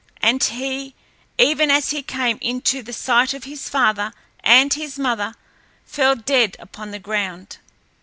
And he, even as he came into the sight of his father and his mother, fell dead upon the ground.